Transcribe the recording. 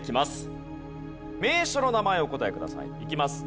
名所の名前をお答えください。いきます。